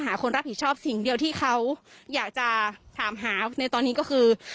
คนรับผิดชอบสิ่งเดียวที่เขาอยากจะถามหาในตอนนี้ก็คือ